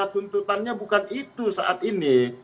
tuntutannya bukan itu saat ini